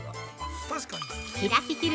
◆開ききる